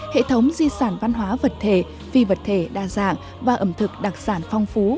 hệ thống di sản văn hóa vật thể phi vật thể đa dạng và ẩm thực đặc sản phong phú